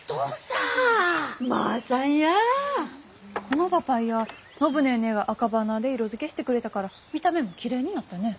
このパパイア暢ネーネーがアカバナで色づけしてくれたから見た目もきれいになったね。